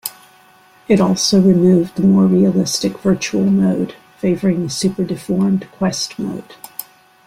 It also removed the more realistic "Virtual Mode", favoring the super deformed "Quest Mode".